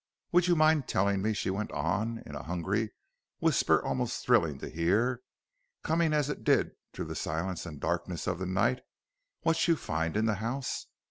Would you mind telling me,' she went on, in a hungry whisper almost thrilling to hear, coming as it did through the silence and darkness of the night, 'what you find in the house?